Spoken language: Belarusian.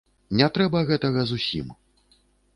Не трэба гэтага зусім.